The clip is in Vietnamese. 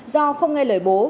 do không nghe lời bố